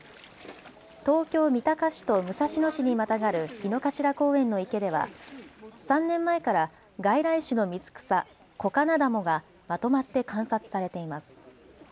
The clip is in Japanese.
東京三鷹市と武蔵野市にまたがる井の頭公園の池では３年前から外来種の水草、コカナダモがまとまって観察されています。